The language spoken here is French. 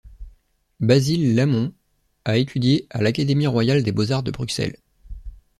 Basil Lamon a étudié à l'Académie royale des beaux-arts de Bruxelles.